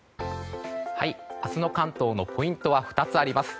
明日の関東のポイントは２つあります。